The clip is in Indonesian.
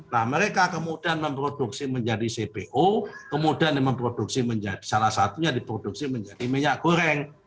nah mereka kemudian memproduksi menjadi cpo kemudian memproduksi menjadi salah satunya diproduksi menjadi minyak goreng